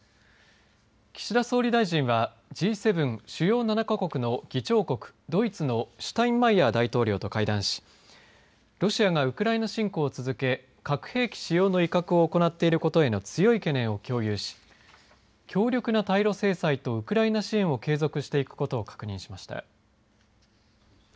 岸田総理大臣はＧ７主要７か国の議長国ドイツのシュタインマイヤー大統領と会談しロシアがウクライナ侵攻を続け核兵器使用の威嚇を行っていることへの強い懸念を共有し強力な対ロ制裁とウクライナ支援を継続していくことを確認しました。